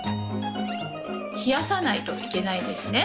冷やさないといけないんですね。